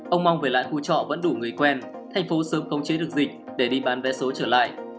ông mong về lại khu trọ vẫn đủ người quen thành phố sớm công chế được dịch để đi bán vé số trở lại